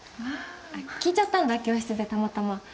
聞いちゃったんだ教室でたまたま。